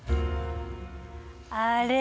あれ？